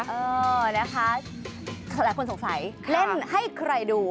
เออนะคะหลายคนสงสัยเล่นให้ใครดู